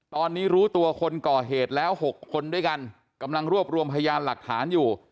ตอนนี้รู้ตัวคนก่อเหตุแล้ว๖คนด้วยกันกำลังรวบรวมพยานหลักฐานอยู่